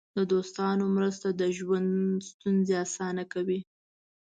د دوستانو مرسته د ژوند ستونزې اسانه کوي.